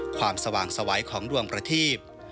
ความสว่างสวัยของดวงประทีป